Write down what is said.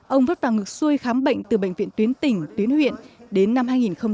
ông vấp vào ngực xuôi khám bệnh từ bệnh viện tuyến tỉnh tuyến huyện đến năm hai nghìn một mươi tám